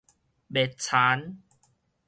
麥田